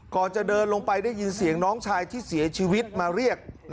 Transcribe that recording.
ก่อนจะเดินลงไปได้ยินเสียงน้องชายที่เสียชีวิตมาเรียก